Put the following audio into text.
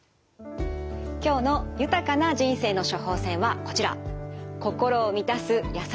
今日の豊かな人生の処方せんはこちら。